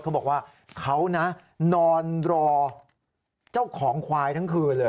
เขาบอกว่าเขานะนอนรอเจ้าของควายทั้งคืนเลย